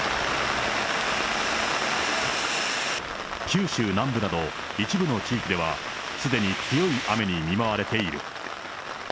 九州南部など一部の地域では、すでに強い雨に見舞われている。